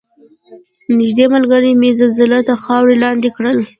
نږدې ملګرې مې زلزلې تر خاورو لاندې کړل.